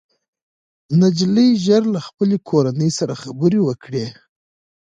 نجلۍ ژر له خپلې کورنۍ سره خبرې وکړې